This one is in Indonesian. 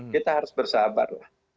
kita harus bersabarlah